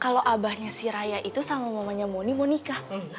kalau abahnya si raya itu sama mamanya moni moni itu